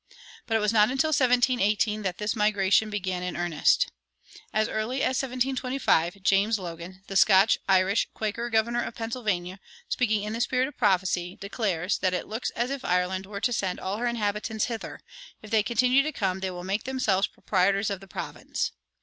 But it was not until 1718 that this migration began in earnest. As early as 1725 James Logan, the Scotch Irish Quaker governor of Pennsylvania, speaking in the spirit of prophecy, declares that "it looks as if Ireland were to send all her inhabitants hither; if they continue to come they will make themselves proprietors of the province."